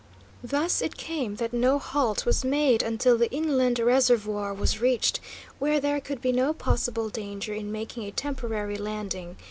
Thus it came that no halt was made until the inland reservoir was reached, where there could be no possible danger in making a temporary landing.